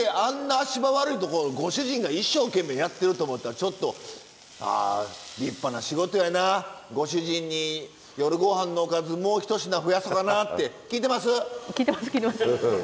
足場悪いとこご主人が一生懸命やってると思ったらちょっとあ立派な仕事やなご主人に夜御飯のおかずもうひと品増やそかなって聞いてます？